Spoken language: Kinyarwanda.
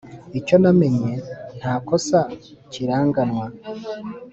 Icyo namenye nta kosa kiranganwa,